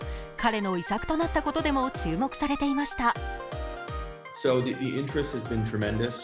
彼の遺作となったことでも注目されていました。